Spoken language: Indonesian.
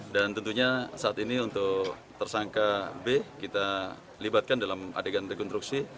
tentunya saat ini untuk tersangka b kita libatkan dalam adegan rekonstruksi